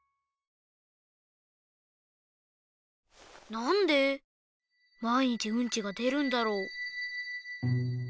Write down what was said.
なんでまいにちウンチがでるんだろう？